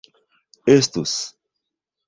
estus